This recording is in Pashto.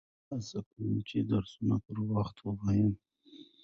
زه هڅه کوم، چي درسونه پر وخت ووایم.